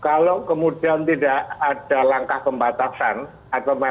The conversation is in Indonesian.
kalau kemudian tidak ada langkah pembatasan